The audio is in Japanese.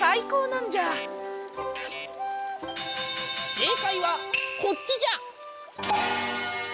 正解はこっちじゃ。